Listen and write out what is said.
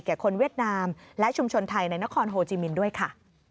คนเวียดนามและชุมชนไทยในนครโฮจิมินด้วยค่ะ